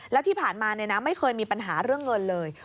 แล้วที่ผ่านมาไม่เคยมีปัญหาเรื่องเงินเลย